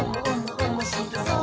おもしろそう！」